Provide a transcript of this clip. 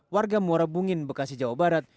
warga muara bungin bekasi jawa barat